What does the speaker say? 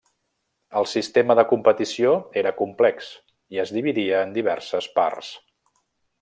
El sistema de competició era complex i es dividia en diverses parts.